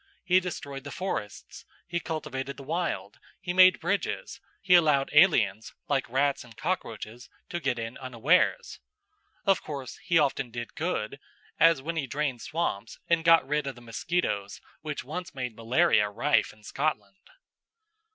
He destroyed the forests, he cultivated the wild, he made bridges, he allowed aliens, like rats and cockroaches, to get in unawares. Of course, he often did good, as when he drained swamps and got rid of the mosquitoes which once made malaria rife in Scotland.